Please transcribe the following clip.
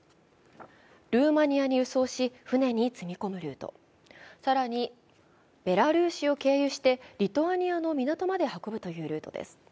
ルーマニアに輸送し、船に積み込むルート、更にベラルーシを経由してリトアニアの港まで運ぶというルートです。